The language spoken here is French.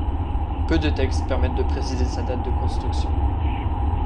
Peu de textes permettent de préciser sa date de construction.